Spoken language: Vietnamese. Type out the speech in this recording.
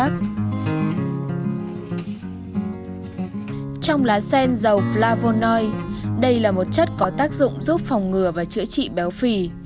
trong lá sen dầu flavonoi đây là một chất có tác dụng giúp phòng ngừa và chữa trị béo phì